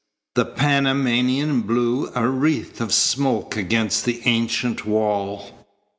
The Panamanian blew a wreath of smoke against the ancient wall.